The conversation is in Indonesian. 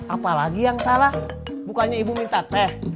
apa lagi yang salah bukannya ibu minta teh